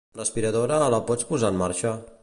L'aspiradora, la pots posar en marxa?